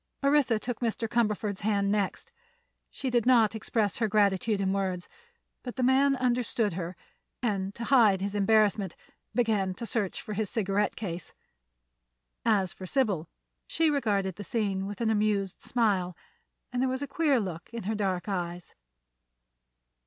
Orissa took Mr. Cumberford's hand next. She did not express her gratitude in words, but the man understood her and to hide his embarrassment began to search for his cigarette case. As for Sybil, she regarded the scene with an amused smile, and there was a queer look in her dark eyes.